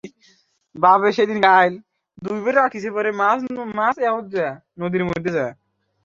তাদের পায়ে ধরে।